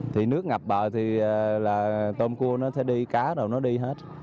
thì nước ngập bờ thì tôm cua nó sẽ đi cá nó đi hết